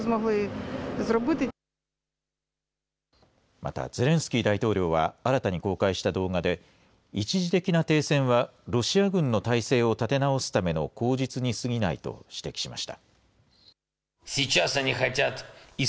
また、ゼレンスキー大統領は新たに公開した動画で、一時的な停戦は、ロシア軍の態勢を立て直すための口実にすぎないと指摘しました。